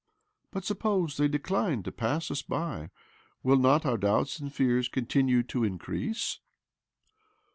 " But suppose they decline to pass us by? Will not our doubts and fears continue to increase?"